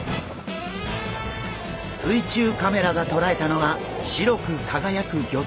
水中カメラがとらえたのは白く輝く魚体！